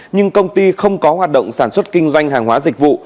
nhưng công ty không có hoạt động sản xuất kinh doanh hàng hóa dịch vụ